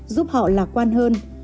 giúp họ lạc quan hơn